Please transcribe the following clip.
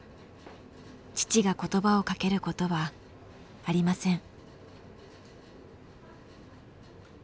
父が言葉をかけることはありません。